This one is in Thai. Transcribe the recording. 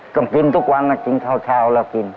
ต้องกินทุกวันมากินเช้าแล้วกิน